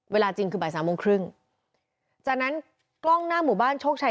เวลาจริงคือบ่ายสามโมงครึ่งจากนั้นกล้องหน้าหมู่บ้านโชคชัย